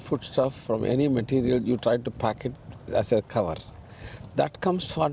untuk bahan makanan kita coba membakarnya sebagai penutup